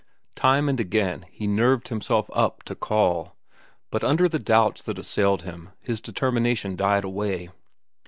Time and again he nerved himself up to call, but under the doubts that assailed him his determination died away.